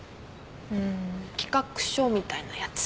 うん企画書みたいなやつ。